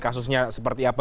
kasusnya seperti apa